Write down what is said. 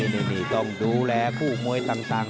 นี่ต้องดูแลคู่มวยต่าง